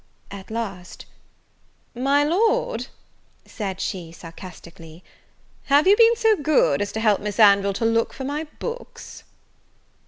At last, "My Lord" said she, sarcastically, "have you been so good as to help Miss Anville to look for my books?"